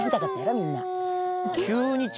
みんな。